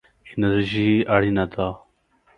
انرژي اړینه ده.